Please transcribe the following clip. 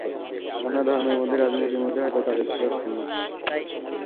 আপনারা ধর্মের মধ্যে, রাজনীতির মধ্যে হয়তো তা দেখতে পাচ্ছেন না।